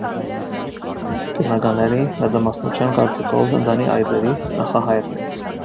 Գիտնականների մեծամասնության կարծիքով ընտանի այծերի նախահայրն է։